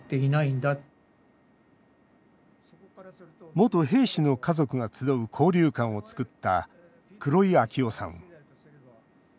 元兵士の家族が集う交流館を作った黒井秋夫さん。